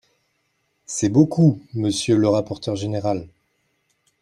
C’est beaucoup, monsieur le rapporteur général.